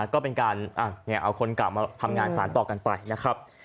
ก็เป็นการเอาคนเก่ามาทำงานสารต่อกันไปนะครับ